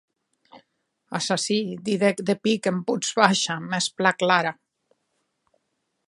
Assassin, didec de pic, en votz baisha mès plan clara.